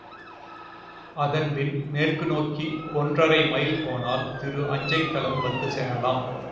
அதன் பின் மேற்கு நோக்கி ஒன்றரை மைல் போனால் திரு அஞ்சைக்களம் வந்து சேரலாம்.